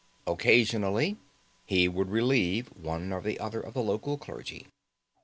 Occasionally he would relieve one or other of the local clergy.